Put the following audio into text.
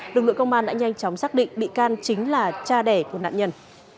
lực lượng công an đã nhanh chóng xác định bị can chính là cha đẻ của nạn nhân